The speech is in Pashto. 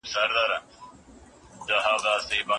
هغه د جګړې په میدان کې هر دښمن ته ماتې ورکړه.